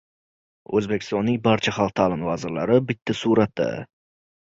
O‘zbekistonning barcha xalq ta’limi vazirlari — bitta suratda